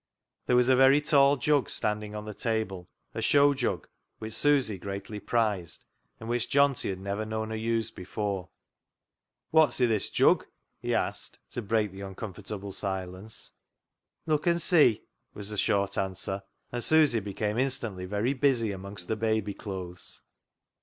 There was a very tall jug standing on the table, a show jug which Susy greatly prized, and which Johnty had never known her use before. " Wot's i' this jug ?" he asked, to break the uncomfortable silence. " Look and see," was the short answer, and Susy became instantly very busy amongst the baby clothes.